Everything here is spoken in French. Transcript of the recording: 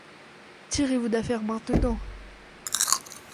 Tirez-vous d’affaire maintenant.